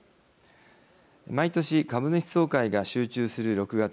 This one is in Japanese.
毎年株主総会が集中する６月。